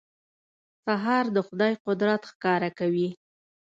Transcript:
سهار د خدای قدرت ښکاره کوي.